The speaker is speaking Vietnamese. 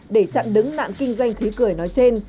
để chặn đứng nạn kinh doanh khí cười nói trên